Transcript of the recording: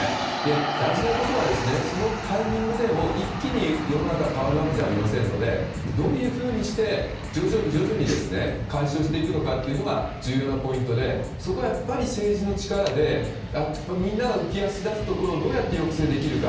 大事なことはそのタイミングでも一気に世の中は変わるわけではありませんのでどういうふうにして徐々に、改修していくかが重要なポイントでそこは政治の力でみんなが浮足立つところをどうやって抑制できるか。